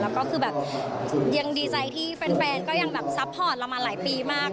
แล้วก็คือแบบยังดีใจที่แฟนก็ยังแบบซัพพอร์ตเรามาหลายปีมาก